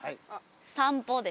「散歩」です。